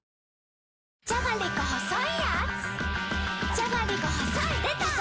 じゃがりこ細いやーつ